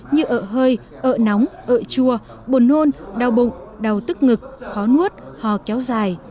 như ợ hơi ợ nóng ợ chua bồn nôn đau bụng đau tức ngực khó nuốt hò kéo dài